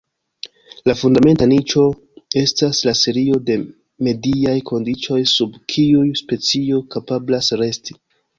La fundamenta niĉo estas la serio de mediaj kondiĉoj sub kiuj specio kapablas resti.